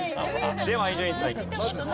では伊集院さんいきましょう。